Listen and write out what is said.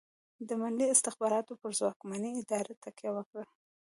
د ملي استخباراتو پر ځواکمنې ادارې تکیه وکړه.